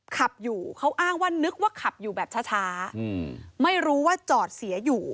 ขับอยู่เขาอ้างว่านึกว่าขับอยู่แบบช้าไม่รู้ว่าจอดเสียอยู่